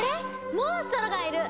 モンストロがいる！